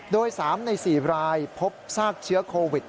โดย๓ใน๔รายพบซากเชื้อโควิด